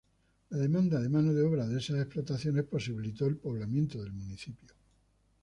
La demanda de mano de obra de esas explotaciones posibilitó el poblamiento del municipio.